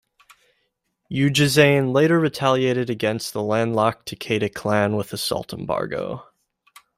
Ujizane later retaliated against the landlocked Takeda clan with a salt embargo.